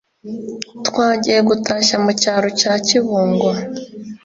twagiye gutashya mu cyaro cya kibungo